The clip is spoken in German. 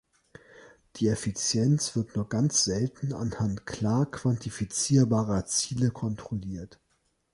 Die Effizienz wird nur ganz selten anhand klar quantifizierbarer Ziele kontrolliert.